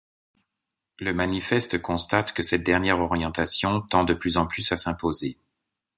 Le manifeste constate que cette dernière orientation tend de plus en plus à s’imposer.